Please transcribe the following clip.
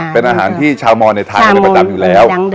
เป็นอาหารที่ชาวมอลในถ่ายได้ประจำอยู่แล้ว